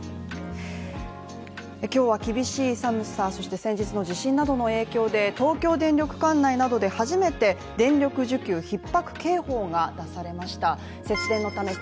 今日は厳しい寒さ、そして先日の地震などの影響で東京電力管内などで初めて電力需給ひっ迫警報が出されました。